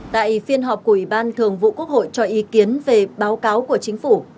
tại phiên họp của ủy ban thường vụ quốc hội cho ý kiến về báo cáo của chính phủ